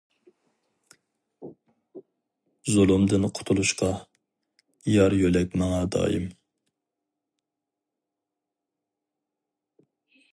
زۇلۇمدىن قۇتۇلۇشقا، يار يۆلەك ماڭا دائىم.